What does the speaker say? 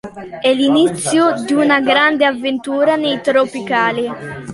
E l'inizio di una grande avventura nei Tropicali.